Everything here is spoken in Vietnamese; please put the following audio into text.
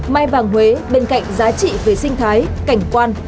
mai vàng huế bên cạnh giá trị về sinh thái cảnh quan